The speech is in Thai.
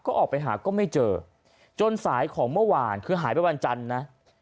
ก็ออกไปหาก็ไม่เจอจนสายของเมื่อวานคือหายไปวันจันทร์นะ